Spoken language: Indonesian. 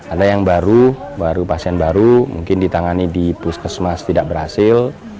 ada yang baru baru pasien baru mungkin ditangani di puskesmas tidak berhasil